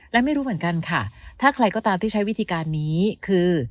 และไม่รู้เหมือนกันค่ะถ้าใครก็ตามที่ใช้วิธีการนี้คือ